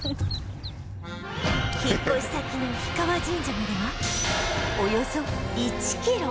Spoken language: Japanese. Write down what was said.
引っ越し先の氷川神社まではおよそ１キロ